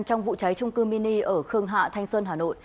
trong vụ cháy trung cư mini ở khương hạ thanh xuân hà nội